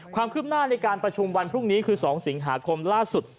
ความคืบหน้าในการประชุมวันพรุ่งนี้คือ๒สิงหาคมล่าสุด